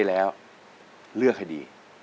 แล้วเลือกให้ดี